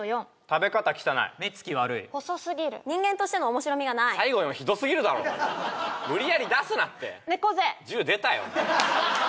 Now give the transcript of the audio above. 食べ方汚い目つき悪い・細すぎる人間としての面白みがない最後４ひどすぎるだろ無理やり出すなって猫背１０出たよ